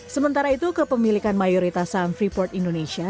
sementara itu kepemilikan mayoritas saham freeport indonesia